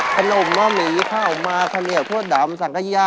ขนมม่อมีข้าวมาธรรมิพรั่งดำส่างกระยะ